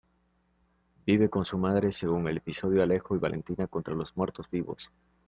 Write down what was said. Vive con su madre, según el episodio "Alejo y Valentina contra los muertos vivos".